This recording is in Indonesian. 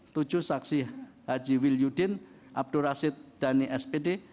tujuh saksi haji wilyuddin abdurasid dhani spd